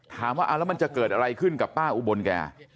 ถามว่าแล้วมันจะเกิดอะไรขึ้นกับป้าอุบลแก